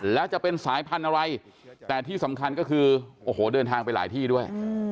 แล้วจะเป็นสายพันธุ์อะไรแต่ที่สำคัญก็คือโอ้โหเดินทางไปหลายที่ด้วย